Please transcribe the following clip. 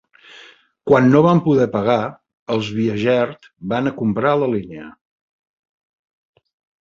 Quan no van poder pagar, els Biegert van comprar la línia.